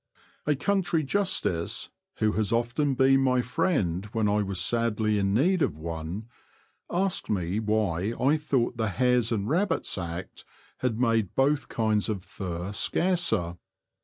A country Justice, who has often been my friend when I was sadly in need of one, asked me why I thought the Hares and Rabbits Act had made both kinds of fur scarcer.